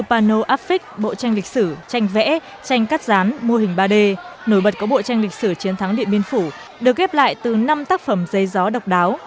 pano affix bộ tranh lịch sử tranh vẽ tranh cắt rán mô hình ba d nổi bật có bộ tranh lịch sử chiến thắng điện biên phủ được ghép lại từ năm tác phẩm dây gió độc đáo